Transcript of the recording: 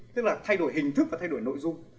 tức là thay đổi hình thức và thay đổi nội dung